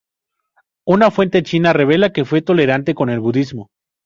Una fuente china revela que fue tolerante con el budismo.